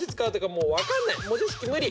文字式無理！